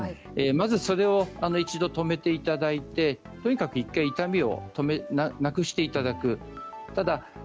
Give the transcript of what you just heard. それを一度止めていただいてとにかく１回、痛みをなくしていただく。